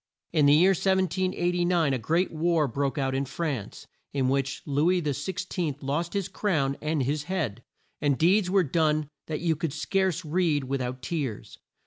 In the year 1789, a great war broke out in France, in which Lou is XVI lost his crown and his head, and deeds were done that you could scarce read of with out tears.